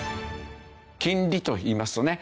金利といいますとね